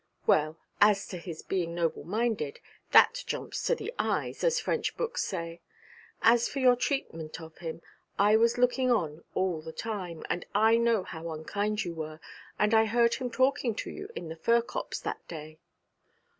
'Well, as to his being noble minded, that jumps to the eyes, as French books say. As for your treatment of him, I was looking on all the time, and I know how unkind you were, and I heard him talking to you in the fir copse that day.'